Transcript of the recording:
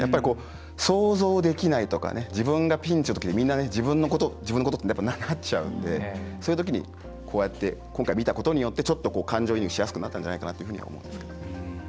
想像できないとか自分がピンチのときにみんな自分のことってなっちゃうのでそういうときに、こうやって今回見たことによってちょっと感情移入しやすくなったんじゃないかなと思いますね。